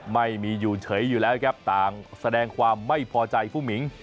ไม่มีอยู่เฉยอยู่แล้วครับต่างแสดงความไม่พอใจผู้หมิง